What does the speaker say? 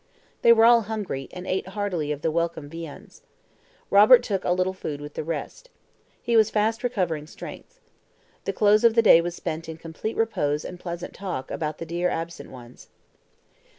They were all hungry, and ate heartily of the welcome viands. Robert took a little food with the rest. He was fast recovering strength. The close of the day was spent in complete repose and pleasant talk about the dear absent ones.